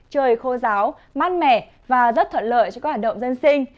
trời khô ráo mát mẻ và rất thuận lợi cho các hành động dân sinh